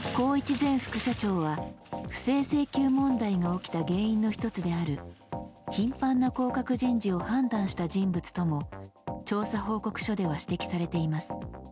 前副社長は不正請求問題が起きた原因の１つである頻繁な降格人事を判断した人物とも調査報告書では指摘されています。